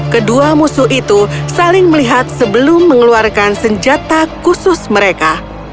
kedua musuh itu saling melihat sebelum mengeluarkan senjata khusus mereka